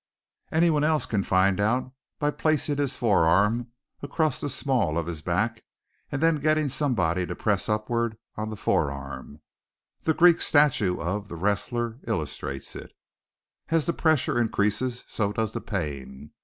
Any one else can find out by placing his forearm across the small of his back and then getting somebody else to press upward on the forearm. The Greek statue of "The Wrestlers" illustrates it. As the pressure increases, so does the pain.